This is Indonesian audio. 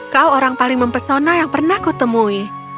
kau orang paling mempesona yang pernah kutemui